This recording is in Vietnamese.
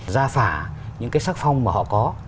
gia phả những cái xác phong mà họ có